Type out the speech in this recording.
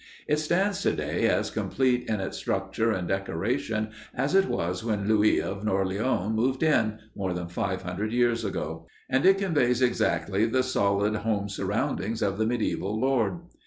It stands to day as complete in its structure and decoration as it was when Louis of Orleans moved in, more than five hundred years ago, and it conveys exactly the solid, home surroundings of the mediæval lord.